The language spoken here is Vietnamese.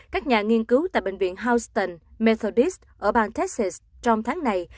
các nhà nghiên cứu tại bệnh viện houston methodist ở bang texas trong tháng này